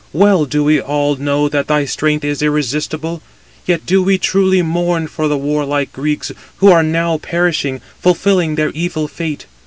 well do we all know that thy strength is irresistible: yet do we truly mourn for the warlike Greeks, who are now perishing, fulfilling their evil fate.